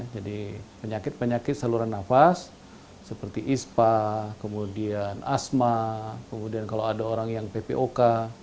jadi penyakit penyakit saluran nafas seperti ispa kemudian asma kemudian kalau ada orang yang ppok